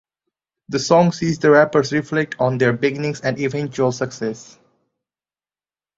The song sees the rappers reflect on their beginnings and eventual successes.